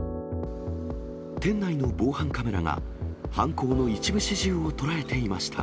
店内の防犯カメラが、犯行の一部始終を捉えていました。